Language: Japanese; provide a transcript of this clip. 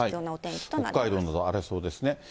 北海道など荒れそうですね。